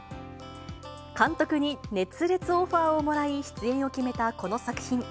監督に熱烈オファーをもらい、出演を決めたこの作品。